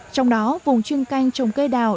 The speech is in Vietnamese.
trong đó vùng chuyên canh trồng cây đào